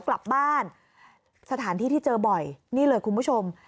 กลับบ้านสถานที่ที่เจอบ่อยนี่เลยคุณผู้ชม